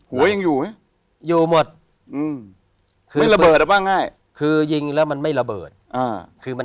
หัวยังอยู่ไหม